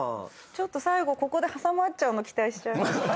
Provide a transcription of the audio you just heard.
ちょっと最後ここで挟まっちゃうの期待しちゃいました。